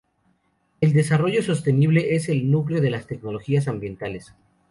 El desarrollo sostenible es el núcleo de las tecnologías ambientales.